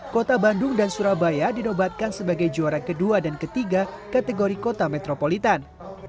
kota bandung dan surabaya dinobatkan sebagai juara kedua dan ketiga kategori kota metropolitan